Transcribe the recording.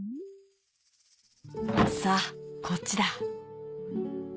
さあこっちだ。